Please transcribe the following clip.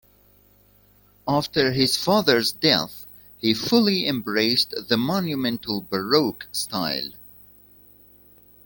After his father's death, he fully embraced the monumental Baroque style.